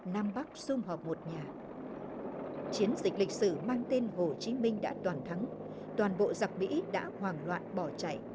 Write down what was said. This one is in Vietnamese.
nam bắc xung họp một nhà